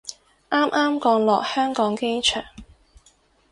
啱啱降落香港機場